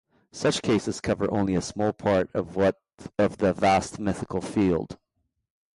Such cases cover only a small part of the vast mythical field